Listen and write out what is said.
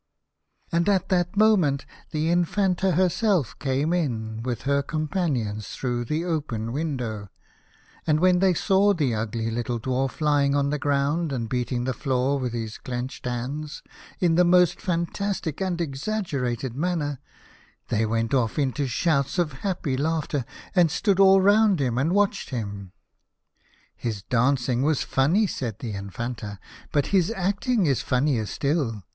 And at that moment the Infanta herself came in with her companions through the open window, and when they saw the ugly little dwarf lying on the ground and beating the floor with his clenched hands, in the most fantastic and exaggerated manner, they went 59 A House of Pomegranates. off into shouts of happy laughter, and stood all round him and watched him. " 1 1 is dancing was funny," said the Infanta; " but his acting is funnier still.